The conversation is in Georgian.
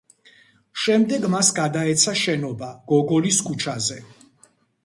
შემდეგ მას გადაეცა შენობა გოგოლის ქუჩაზე.